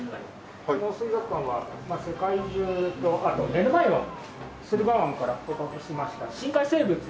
この水族館は世界中とあと目の前の駿河湾から捕獲しました深海生物を。